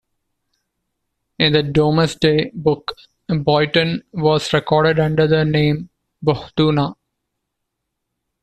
In the Domesday Book Boyton was recorded under the name "Bohtuna".